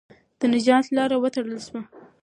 د نجات لاره وتړل سوه.